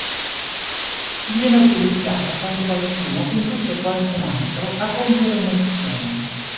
Viene utilizzata quando qualcuno induce qualcun altro a compiere un'azione.